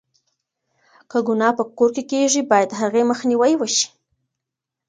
که گناه په کور کې کېږي، بايد د هغې مخنيوی وشي.